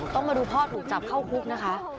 ต้องมาดูพ่อถูกจับเข้าคุกนะคะ